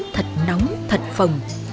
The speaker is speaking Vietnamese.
thật nóng thật phồng